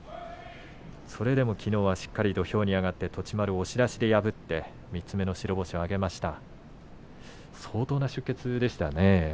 それでも、きのうはしっかりと土俵に上がって栃丸を押し出しで破って３つ目の白星を挙げました。